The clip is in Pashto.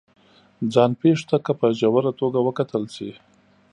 ځان پېښو ته که په ژوره توګه وکتل شي